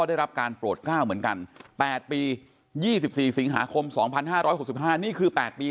ได้รับการโปรดกล้าวเหมือนกัน๘ปี๒๔สิงหาคม๒๕๖๕นี่คือ๘ปี